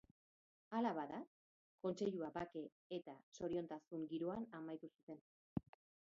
Hala bada, Kontseilua bake eta zoriontasun giroan amaitu zuten.